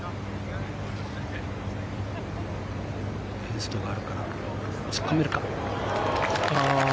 アゲンストがあるから突っ込めるか。